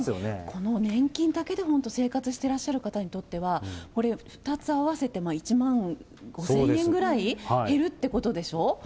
この年金だけで本当、生活してらっしゃる方にとっては、２つ合わせて１万５０００円ぐらい減るってことでしょ？